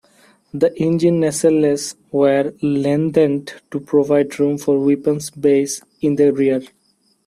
The engine nacelles were lengthened to provide room for weapons bays in the rear.